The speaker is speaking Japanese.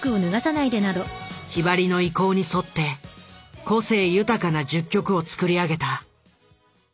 ひばりの意向に沿って個性豊かな１０曲を作り上げた。